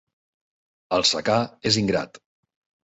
El secà és ingrat.